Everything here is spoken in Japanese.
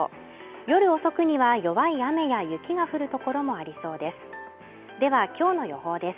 夜遅くには弱い雨や雪が降る所もありそうです